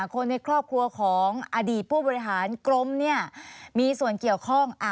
คนในครอบครัวของอดีตผู้บริหารกรมเนี่ยมีส่วนเกี่ยวข้อง